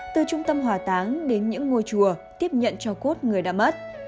từ trung tâm hòa táng đến những ngôi chùa tiếp nhận cho cốt người đã mất